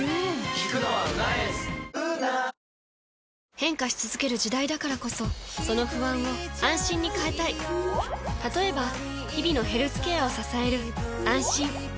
変化し続ける時代だからこそその不安を「あんしん」に変えたい例えば日々のヘルスケアを支える「あんしん」